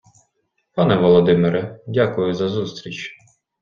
Пане Володимире, дякую за зустріч.